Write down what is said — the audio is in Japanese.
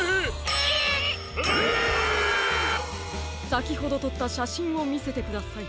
さきほどとったしゃしんをみせてください。